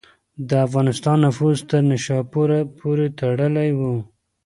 د افغانستان نفوذ تر نیشاپوره پورې رسېدلی و.